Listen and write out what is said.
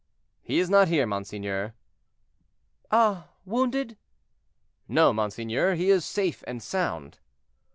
"He is not here, monseigneur." "Ah! wounded?" "No, monseigneur, he is safe and sound."